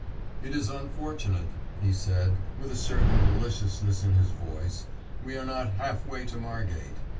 "It is unfortunate," he said, with a certain maliciousness in his voice; "we are not half way to Margate.